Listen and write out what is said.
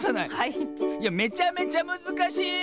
いやめちゃめちゃむずかしい！